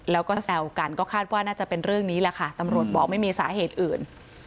แล้วก็แซวกันก็คาดว่าน่าจะเป็นเรื่องนี้แหละค่ะตำรวจบอกไม่มีสาเหตุอื่น